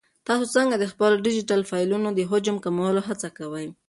تاسو څنګه د خپلو ډیجیټل فایلونو د حجم د کمولو هڅه کوئ؟